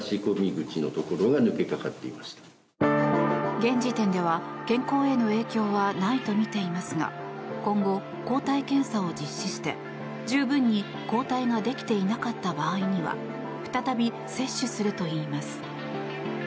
現時点では健康への影響はないとみていますが今後、抗体検査を実施して十分に抗体ができていなかった場合には再び接種するといいます。